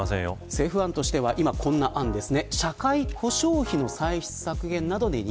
政府案としては今こんな案です。